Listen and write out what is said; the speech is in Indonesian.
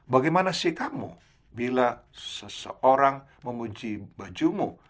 bagaimana sih kamu bila seseorang memuji bajumu